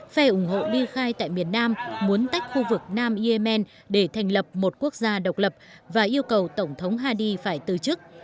phe ủng hộ ly khai tại miền nam muốn tách khu vực nam yemen để thành lập một quốc gia độc lập và yêu cầu tổng thống hadi phải từ chức